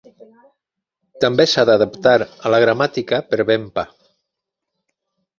També s"ha d"adaptar a la gramàtica per Venpa.